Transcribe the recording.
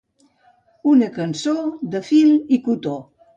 Una cançó de fil i cotó.